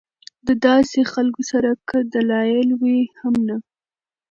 د داسې خلکو سره کۀ دلائل وي هم نۀ